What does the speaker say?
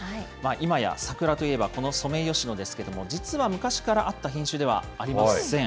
いまや桜といえばこのソメイヨシノですけれども、実は昔からあった品種ではありません。